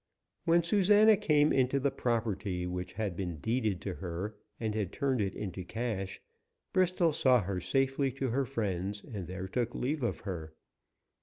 When Susana came into the property which had been deeded to her, and had turned it into cash, Bristol saw her safely to her friends, and there took leave of her.